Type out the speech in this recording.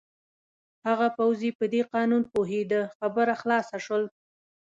هغه پوځي په دې قانون پوهېده، خبره خلاصه شول.